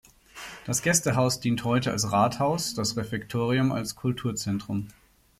Das Gästehaus dient heute als Rathaus, das Refektorium als Kulturzentrum.